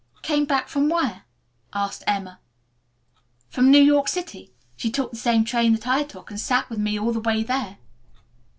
"Came back from where?" asked Emma. "From New York City. She took the same train that I took and sat with me all the way there."